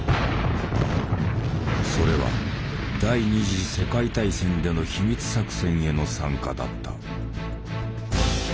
それは第二次世界大戦での秘密作戦への参加だった。